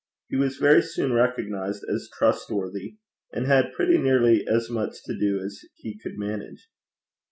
He was very soon recognized as trustworthy, and had pretty nearly as much to do as he could manage.